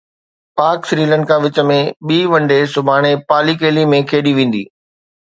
پاڪ سريلنڪا وچ ۾ ٻي ون ڊي سڀاڻي پالي ڪيلي ۾ کيڏي ويندي